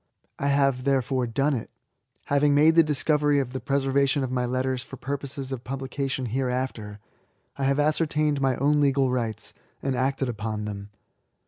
I have, therefore, done it. Having made the discovery of the preservation of my letters for jpurposes of publication hereafter, I have ascer tained my own legal rights, and acted upon them.